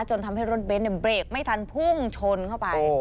จนทำให้รถเบนท์เบรกไม่ทันพุ่งชนเข้าไป